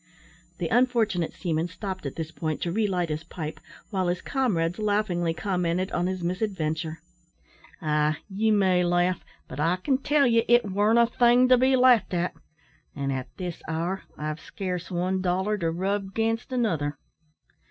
The unfortunate seaman stopped at this point to relight his pipe, while his comrades laughingly commented on his misadventure. "Ah! ye may laugh; but I can tell ye it warn't a thing to be laughed at; an' at this hour I've scarce one dollar to rub 'gainst another."